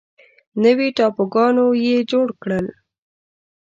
نوي ټاپوګانو یې جوړ کړل.